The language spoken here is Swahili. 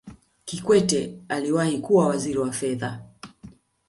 kikwete aliwahi kuwa waziri wa fedha